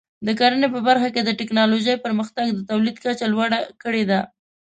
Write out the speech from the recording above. د کرنې په برخه کې د ټکنالوژۍ پرمختګ د تولید کچه لوړه کړې ده.